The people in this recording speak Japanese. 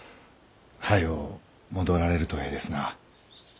早う戻られるとええですな。